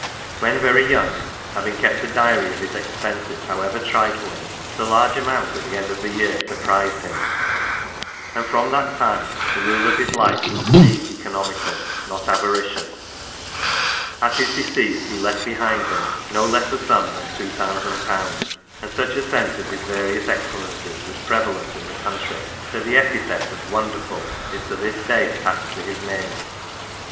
When very young, having kept a diary of his expenses however trifling, the large amount, at the end of the year, surprised him ; 58 ♦ NOTES. and from that time the rule of his life was to be ceconomical, not avaricious. At his decease he left behind him no less a sum than £2000. and such a sense of his various excel lences was prevalent in the country, that the epithet of WONDERFUL is to this day attached to his name.